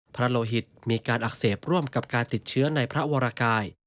โลหิตมีการอักเสบร่วมกับการติดเชื้อในพระวรกาย